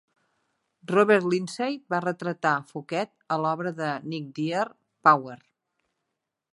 Robert Lindsay va retratar Fouquet a l'obra de Nick Dear "Power".